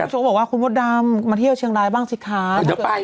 โชว์บอกว่าคุณมดดำมาเที่ยวเชียงรายบ้างสิคะ